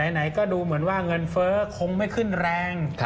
ไหนก็ดูเหมือนว่าเงินเฟ้อคงไม่ขึ้นแรง